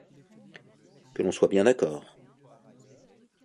Que l'on soit bien d'accord.